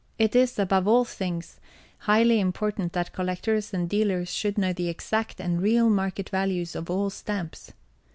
It is, above all things, highly important that Collectors and Dealers should know the exact and real market values of all Stamps.